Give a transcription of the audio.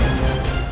ketemu di kantor